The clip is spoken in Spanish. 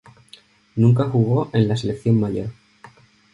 Nunca jugó en la selección mayor.